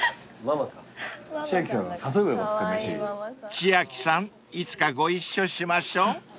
［千亜希さんいつかご一緒しましょう］